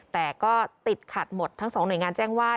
แต่ก็ติดขัดหมดทั้งสองหน่วยงานแจ้งว่า